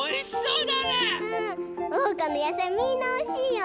おうかのやさいみんなおいしいよ。